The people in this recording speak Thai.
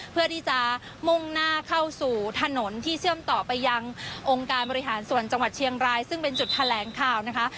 เพื่อที่จะมุ่งหน้าเข้าสู่ถนนที่เชื่อมต่อไปยังองค์การบริหารส่วนจังหวัดเชียงรายซึ่งเป็นจุดแถลงข่าวนะคะ